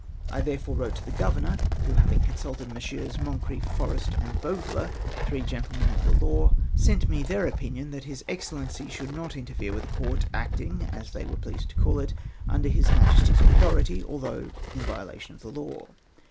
I therefore wrote to the Grovernor, who, having consulted Messieurs Moncreiff, Forrest, and Bowdler, three gentlemen of the law, sent me their opinion, that His Ex cellency should not interfere with a Court, acting, as they were pleased to call it, under His Majesty's authority, although in violation of the law.